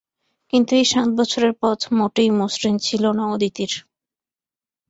কিন্তু এই সাত বছরের পথ মোটেই মসৃণ ছিল না অদিতির।